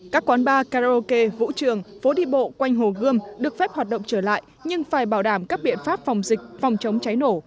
các quán bar karaoke vũ trường phố đi bộ quanh hồ gươm được phép hoạt động trở lại nhưng phải bảo đảm các biện pháp phòng dịch phòng chống cháy nổ